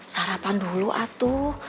sarapan dulu atuh